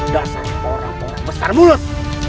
dasar orang orang besar mulut